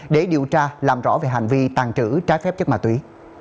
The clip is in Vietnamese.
để điều tra làm rõ về hành vi tàn trữ trái phép chất ma túy